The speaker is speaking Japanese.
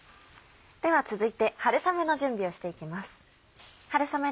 では続いて春雨の準備をしていきます。